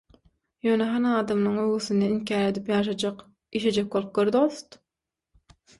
ýöne hany adamlaň öwgüsini inkär edip ýaşajak, işlejek bolup gör, dost.